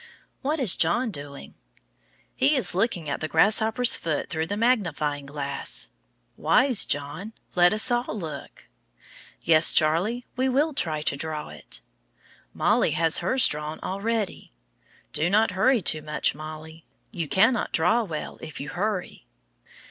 What is John doing? He is looking at the grasshopper's foot through the magnifying glass. Wise John! Let us all look. Yes, Charlie, we will try to draw it. Mollie has hers drawn already. Do not hurry too much, Mollie. You cannot draw well if you hurry.